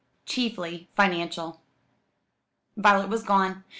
Chiefly Financial. Violet was gone.